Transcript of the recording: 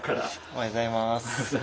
おはようございます。